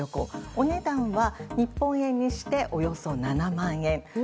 お値段は日本円にしておよそ７万円。